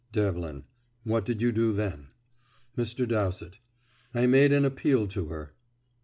Devlin: "What did you do then?" Mr. Dowsett: "I made an appeal to her."